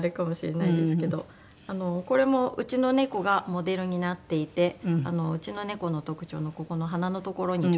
これもうちの猫がモデルになっていてうちの猫の特徴のここの鼻の所にちょっと模様が。